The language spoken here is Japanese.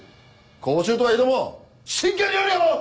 講習とはいえども真剣にやれよ！